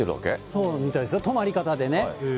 そうみたいですよ、止まり方でね。